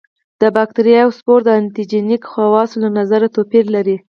د باکتریاوو سپور د انټي جېنیک خواصو له نظره توپیر لري.